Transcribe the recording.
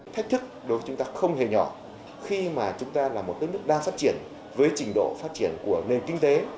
thách thức đối với chúng ta không hề nhỏ khi mà chúng ta là một đất nước đang phát triển với trình độ phát triển của nền kinh tế